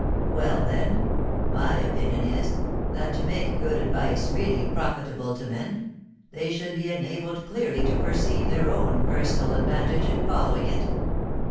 Well, then, my opinion is, that to make good advice really profitable to men, they should be enabled clearly to perceive their own personal advantage in following it.'"